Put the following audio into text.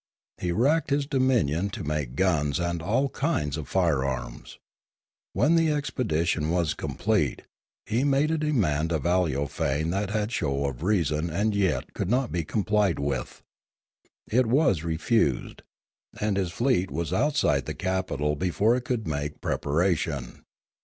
He racked his dominion to make guns and all kinds of firearms. When the expedition was complete, he made a demand of Aleofane that had show of reason and yet could not be complied with. It was refused, and his fleet was outside the capital before it could make prepa ration.